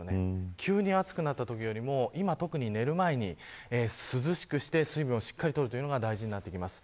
急に暑くなったときよりも寝る前に涼しくして水分をしっかり取るということが大事になります。